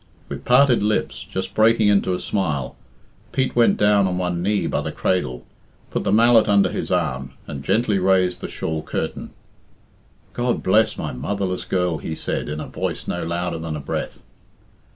With parted lips, just breaking into a smile, Pete went down on one knee by the cradle, put the mallet under his arm, and gently raised the shawl curtain. "God bless my motherless girl," he said, in a voice no louder than a breath.